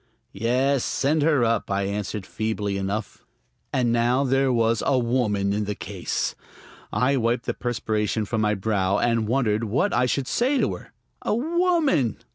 "Yes, send her up," I answered feebly enough. And now there was a woman in the case! I wiped the perspiration from my brow and wondered what I should say to her. A woman....